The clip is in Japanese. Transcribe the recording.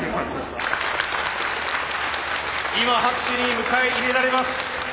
今拍手に迎え入れられます。